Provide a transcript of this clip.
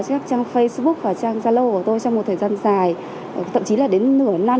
các trang facebook và trang zalo của tôi trong một thời gian dài tậm chí là đến nửa năm